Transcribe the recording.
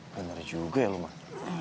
bener juga ya lo man